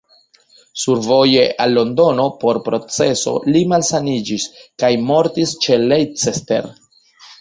Survoje al Londono por proceso, li malsaniĝis kaj mortis ĉe Leicester.